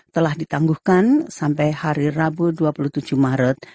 telah ditangguhkan sampai hari rabu dua puluh tujuh maret